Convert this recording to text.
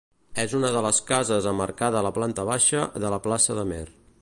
És una de les cases amb arcada a la planta baixa de la plaça d'Amer.